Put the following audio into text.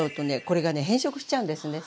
これがね変色しちゃうんですね